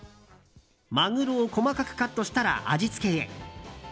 マグロを細かくカットしたら味付けへ。